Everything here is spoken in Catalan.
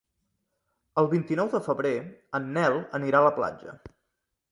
El vint-i-nou de febrer en Nel anirà a la platja.